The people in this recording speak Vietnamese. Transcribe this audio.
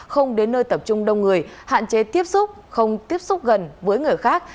không đến nơi tập trung đông người hạn chế tiếp xúc không tiếp xúc gần với người khác